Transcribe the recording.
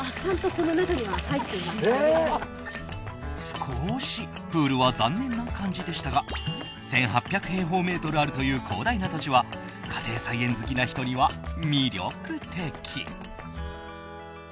少しプールは残念な感じでしたが１８００平方メートルあるという広大な土地は家庭菜園好きな人には魅力的。